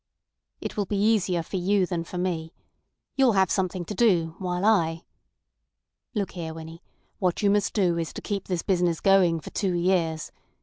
"It will be easier for you than for me. You'll have something to do, while I—Look here, Winnie, what you must do is to keep this business going for two years.